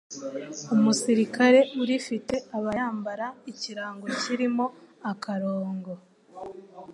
umusirikare urifite aba yambara ikirango kirimo akarongo